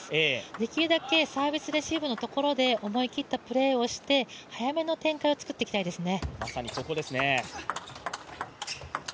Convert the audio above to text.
できるだけサービスレシーブのところで思い切ったプレーをして早めの展開を作っていきたいですね。